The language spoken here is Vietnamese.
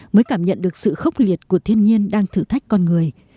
mới cảm nhận được sự khốc liệt của thiên nhiên đang thử thách con người